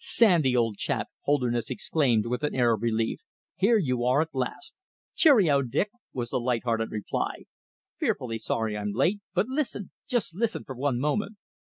"Sandy, old chap," Holderness exclaimed, with an air of relief, "here you are at last!" "Cheero, Dick!" was the light hearted reply. "Fearfully sorry I'm late, but listen just listen for one moment."